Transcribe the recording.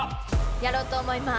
やろうと思います。